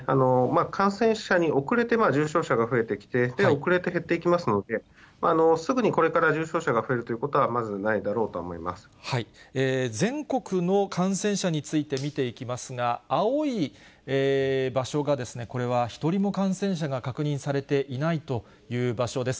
感染者に遅れて重症者が増えてきて、遅れて減っていきますので、すぐにこれから重症者が増えるということはまずないだろうとは思全国の感染者について見ていきますが、青い場所が、これは１人も感染者が確認されていないという場所です。